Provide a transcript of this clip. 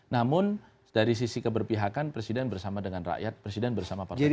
namun dari sisi keberpihakan presiden bersama dengan rakyat presiden bersama partai demokrat